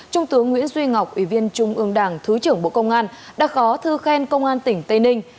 trung tướng nguyễn duy ngọc ủy viên trung ương đảng thứ trưởng bộ công an đã có thư khen công an tỉnh tây ninh